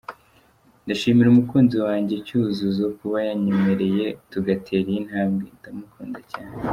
Ndashimira umukunzi wanjye Cyuzuzo kuba yanyemereye tugatera iyi ntambwe, ndamukunda cyane.